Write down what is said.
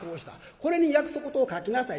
これに約束事を書きなさい